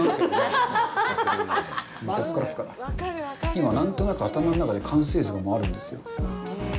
今、何となく頭の中で完成図があるんですよ。